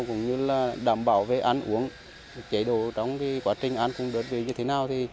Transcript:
cũng như đảm bảo về ăn uống chế độ trong quá trình ăn cũng được như thế nào